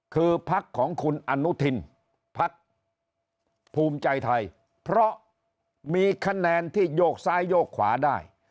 คือพักของคุณอนุทินพักภูมิใจไทยเพราะมีคะแนนที่โยกซ้ายโยกขวาได้